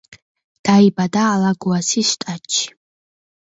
დაიბადა ალაგოასის შტატში.